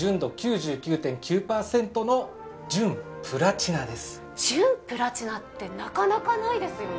こちらの純プラチナってなかなかないですよね。